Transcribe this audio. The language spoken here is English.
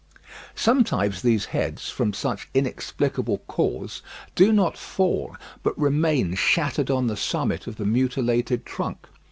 Sometimes these heads, from some inexplicable cause, do not fall, but remain shattered on the summit of the mutilated trunk.